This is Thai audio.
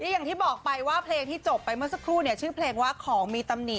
อย่างที่บอกไปว่าเพลงที่จบไปเมื่อสักครู่เนี่ยชื่อเพลงว่าของมีตำหนิ